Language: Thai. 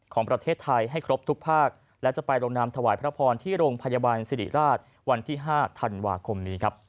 ของประเทศไทยให้ครบทุกภาคและจะไปลงนามถวายพระพรที่โรงพยาบาลสิริราชวันที่๕ธันวาคมนี้ครับ